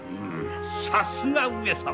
さすが上様。